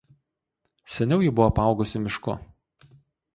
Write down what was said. Seniau ji buvo apaugusi mišku.